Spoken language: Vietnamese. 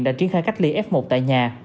đã triển khai cách ly f một tại nhà